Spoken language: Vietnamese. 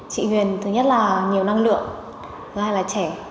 chị huyền thứ nhất là nhiều năng lượng thứ hai là trẻ